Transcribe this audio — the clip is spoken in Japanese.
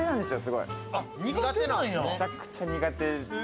むちゃくちゃ苦手。